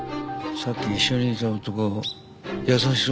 さっき一緒にいた男優しそうじゃないか。